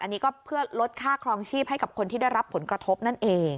อันนี้ก็เพื่อลดค่าครองชีพให้กับคนที่ได้รับผลกระทบนั่นเอง